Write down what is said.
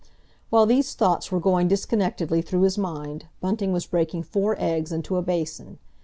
While these thoughts were going disconnectedly through his mind, Bunting was breaking four eggs into a basin.